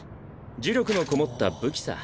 呪力のこもった武器さ。